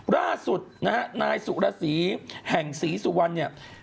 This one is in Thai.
ล่าสุดนะฮะนายสุรสีแห่งศรีสุวรรณเนี่ย